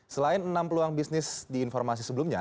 selain enam peluang bisnis di informasi sebelumnya